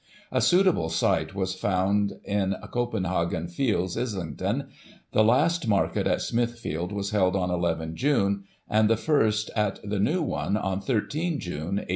A suitable site was found in Copenhagen Fields, Islington; the last market at Smithfield was held on 1 1 June, and the first at the new one on 13 June, 1855.